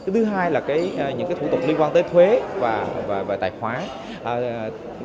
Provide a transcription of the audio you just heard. thứ hai là những thủ tục liên quan tới thuế và về tài khoản